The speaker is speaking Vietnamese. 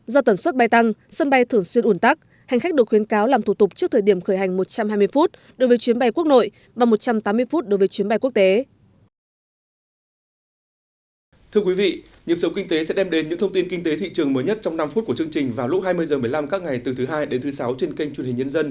do tần suất bay tăng sân bay thường xuyên ủn tắc hành khách được khuyến cáo làm thủ tục trước thời điểm khởi hành một trăm hai mươi phút đối với chuyến bay quốc nội và một trăm tám mươi phút đối với chuyến bay quốc tế